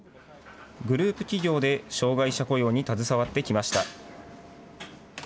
グループ企業で障害者雇用に携わってきました。